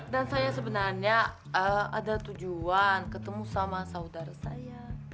dan saya sebenarnya ada tujuan ketemu sama saudara saya